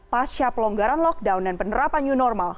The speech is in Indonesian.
pasca pelonggaran lockdown dan penerapan new normal